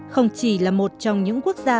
không chỉ là một trong những quốc gia